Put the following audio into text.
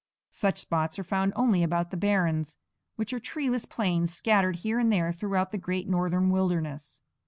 Such spots are found only about the barrens, which are treeless plains scattered here and there throughout the great northern wilderness.